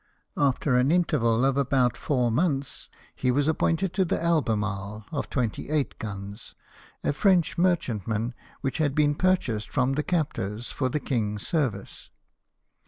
After an interval of about four months he was appointed to the Albemarle, of 28 guns, a French merchantman which had been purchased from the captors for the king's service.